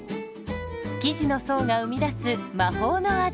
生地の層が生み出す魔法の味。